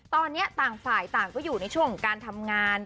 ตอนนี้ต่างฝ่ายต่างก็อยู่ในช่วงของการทำงาน